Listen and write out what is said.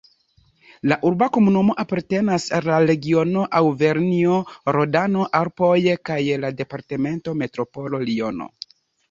La urba komunumo apartenas al la regiono Aŭvernjo-Rodano-Alpoj kaj la departemento Metropolo Liono.